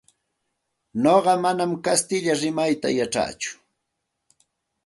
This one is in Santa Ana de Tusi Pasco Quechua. Nuqa manam kastilla rimayta yachatsu.